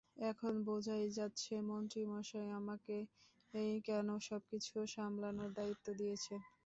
এখন বোঝাই যাচ্ছে মন্ত্রী মশাই আমাকেই কেন সবকিছু সামলানোর দায়িত্ব দিয়েছেন।